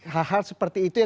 hal hal seperti itu